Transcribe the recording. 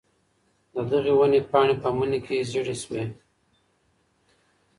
د دغې وني پاڼې په مني کي زیړې سوې.